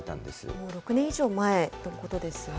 もう６年以上前のことですよね。